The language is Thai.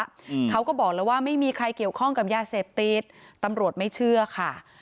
อืมเขาก็บอกแล้วว่าไม่มีใครเกี่ยวข้องกับยาเสพติดตำรวจไม่เชื่อค่ะ